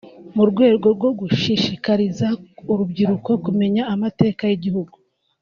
mu rwego rwo gushishikariza urubyiruko kumenya amateka y’igihugu